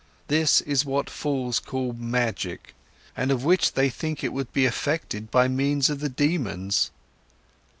This is what fools call magic and of which they think it would be effected by means of the daemons.